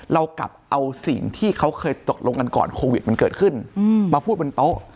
เรากลับเอาสิ่งที่เขาเคยตกลงกันก่อนโควิดมันเกิดขึ้นมาพูดบนโต๊ะ